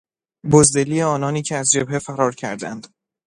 بزدلی آنانی که از جبهه فرار کردند